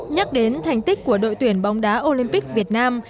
nhắc đến thành tích của đội tuyển bóng đá olympic việt nam